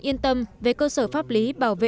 yên tâm về cơ sở pháp lý bảo vệ